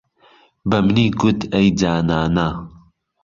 بەمنی گوت ئەی جانانه